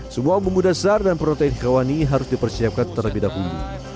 sebuah bumbu dasar dan protein hekauan ini harus dipersiapkan terlebih dahulu